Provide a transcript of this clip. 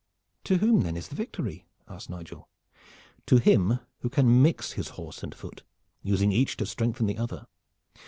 "To whom then is the victory?" asked Nigel. "To him who can mix his horse and foot, using each to strengthen the other.